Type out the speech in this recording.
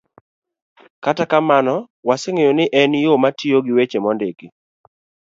Kata kamano, waseng'eyo ni en yo matiyo gi weche mondiki.